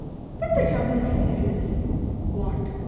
" But the trouble is serious.'' What.''